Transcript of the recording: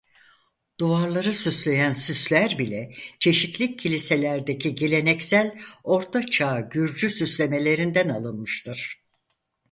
Duvarları süsleyen süsler bile çeşitli kiliselerdeki geleneksel Orta Çağ Gürcü süslemelerinden alınmıştır.